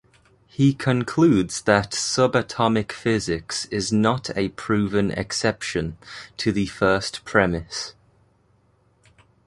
He concludes that subatomic physics is not a proven exception to the first premise.